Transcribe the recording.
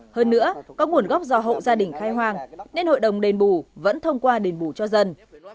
hơn nữa có nguồn gốc do hộ gia đình khai hoang nên hội đồng đền bù vẫn thông qua đền bù cho dân